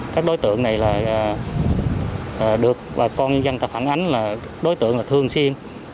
các đối tượng này là được bà con dân ta phản ánh là đối tượng là thương xiên